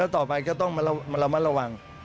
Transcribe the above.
ต่อไปก็ต้องระมัดระวัง